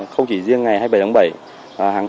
không chỉ riêng ngày hai mươi bảy tháng bảy